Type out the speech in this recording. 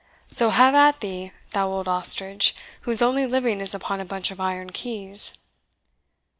"So have at thee, thou old ostrich, whose only living is upon a bunch of iron keys."